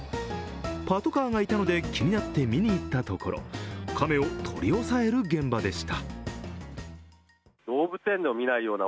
パトカーがいたので気になって見にいったところ、亀を取り押さえる現場でした。